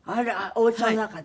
おうちの中で？